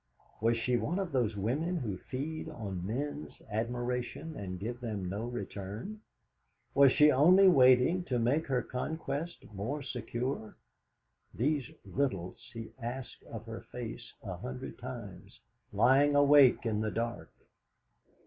Was she one of those women who feed on men's admiration, and give them no return? Was she only waiting to make her conquest more secure? These riddles he asked of her face a hundred times, lying awake in the dark.